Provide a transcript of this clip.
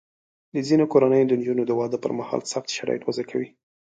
د ځینو کورنیو د نجونو د واده پر مهال سخت شرایط وضع کوي.